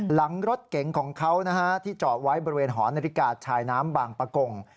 หลังรถเก๋งของเขานะฮะที่จอดไว้บริเวณหอนาฬิกาชายน้ำบางปะกง